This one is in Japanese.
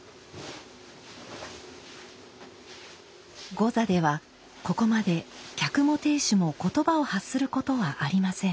後座ではここまで客も亭主も言葉を発することはありません。